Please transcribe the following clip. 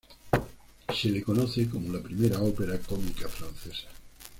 Se la conoce como la primera ópera cómica francesa.